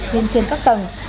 trên trên các tầng